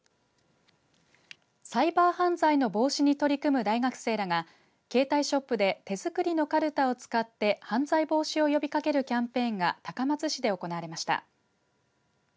サイバー犯罪の防止に取り組む大学生らが携帯ショップで手作りのかるたを使って犯罪防止を呼びかけるキャンペーンが高松市で行われました。